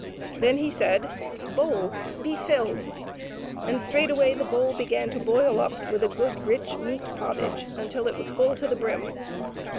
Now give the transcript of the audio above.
Then he said, " Bowl be filled !" and straightway the bowl began to boil up with a good rich meat pottage until it was full to the brim.